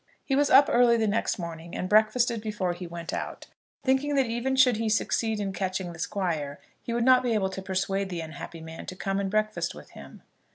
He was up early the next morning and breakfasted before he went out, thinking that even should he succeed in catching the Squire, he would not be able to persuade the unhappy man to come and breakfast with him.